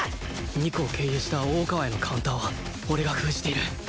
二子を経由した大川へのカウンターは俺が封じている